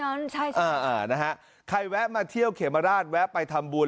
น้อนใช่เออเออนะฮะใครแวะมาเที่ยวเขมราชแวะไปทำบูล